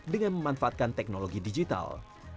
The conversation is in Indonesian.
dengan memanfaatkan teknologi digital